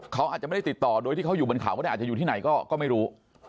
เขาอาจจะไม่ได้ติดต่อโดยที่เขาอยู่บนเขาก็ได้อาจจะอยู่ที่ไหนก็ไม่รู้